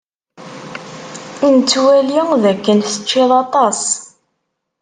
Nettwali dakken teččid aṭas.